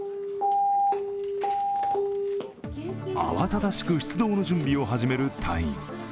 慌ただしく出動の準備を始める隊員。